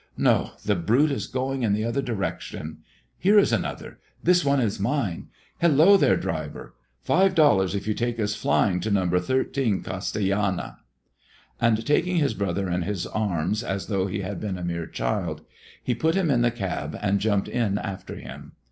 No; the brute is going in the other direction. Here is another. This one is mine. Hello there, driver! Five dollars if you take us flying to Number 13 Castellana." And taking his brother in his arms as though he had been a mere child, he put him in the cab and jumped in after him.